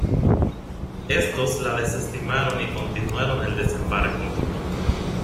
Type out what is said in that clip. Estos la desestimaron y continuaron el desembarco.